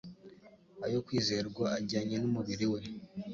ayo kwizerwa ajyanye n'umubiri we